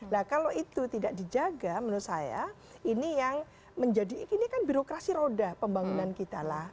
nah kalau itu tidak dijaga menurut saya ini yang menjadi ini kan birokrasi roda pembangunan kita lah